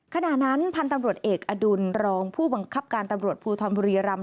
ขณะนั้นพันธุ์ตำรวจเอกอดุลรองผู้บังคับการตำรวจภูทรบุรีรำ